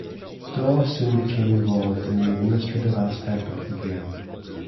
Dawe soon became involved in the administrative aspect of the game.